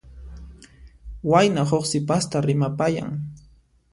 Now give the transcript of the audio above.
Wayna huk sipasta rimapayan.